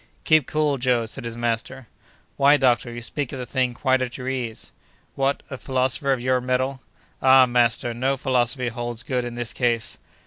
"Keep cool, Joe," said his master. "Why, doctor, you speak of the thing quite at your ease." "What! a philosopher of your mettle—" "Ah, master, no philosophy holds good in this case!"